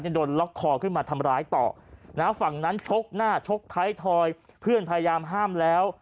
โดนล็อกคอขึ้นมาทำร้ายต่อนะฝั่งนั้นชกหน้าชกท้ายทอยเพื่อนพยายามห้ามแล้ว